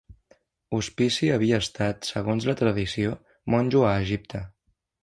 Hospici havia estat, segons la tradició, monjo a Egipte.